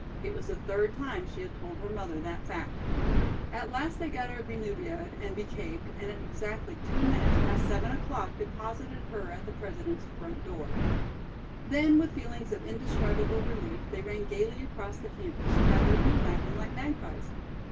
It was the third time she had told her mother that fact. At last they got her be nubiaed and be caped, and at exactly two minutes past seven o'clock deposited her at the President's front door. Then, with feelings of indescribable relief, they ran gayly across the campus, chattering and laughing like magpies.